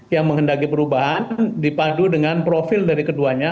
yang menghendaki perubahan dipadu dengan profil dari keduanya